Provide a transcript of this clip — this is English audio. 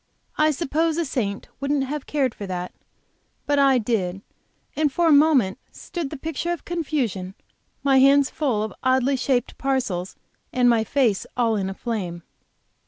I suppose a saint wouldn't have cared for that, but I did, and for a moment stood the picture of confusion, my hands full of oddly shaped parcels and my face all in a flame.